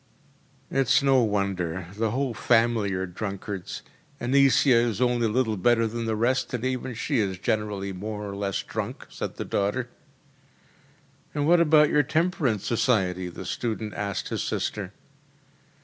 ‚ÄĚ “It’s no wonder the whole family are drunkards. Annisia is only a little better than the rest, and even she is generally more or less drunk,‚ÄĚ said the daughter. “And what about your temperance society?‚ÄĚ the student asked his sister.